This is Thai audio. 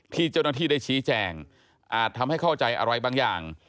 ที่เจ้าหน้าที่ได้ชี้แจงอาจทำให้เข้าใจอะไรบางอย่าง